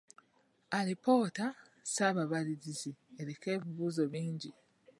Alipoota ssaababalirizi eriko ebibuuzo bingi.